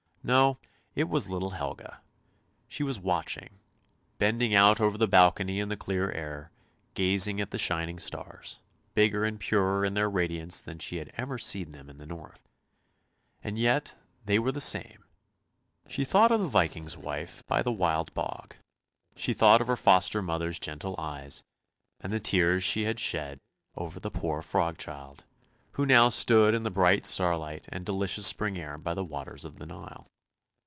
No, it was little Helga. She was watching, bending out over the balcony in the clear air, gazing at the shining stars, bigger and purer in their radiance than she had ever seen them in the north; and yet they were the same. She thought of the Viking's wife by the Wild Bog; she thought of her foster mother's gentle eyes, and the tears she had shed 304 ANDERSEN'S FAIRY TALES over the poor frog child, who now stood in the bright starlight and delicious spring air by the waters of the Nile.